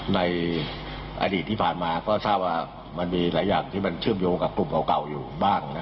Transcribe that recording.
ในอดีตที่ผ่านมาก็ทราบว่ามันมีหลายอย่างที่มันเชื่อมโยงกับกลุ่มเก่าอยู่บ้าง